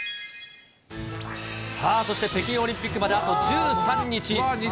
そして、北京オリンピックまであと１３日。